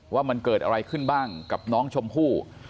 ว่ามันเกิดอะไรขึ้นบ้างกับน้องชมพู่